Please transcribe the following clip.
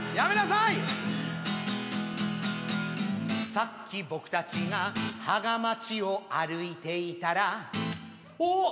さっき僕たちが芳賀町を歩いていたらおっ！